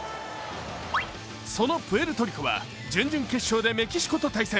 そのプエルトリコは準々決勝でメキシコと対戦。